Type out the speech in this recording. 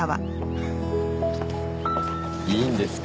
いいんですか？